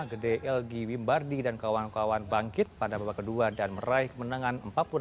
gede elgi wimbardi dan kawan kawan bangkit pada babak kedua dan meraih kemenangan empat puluh enam tiga puluh sembilan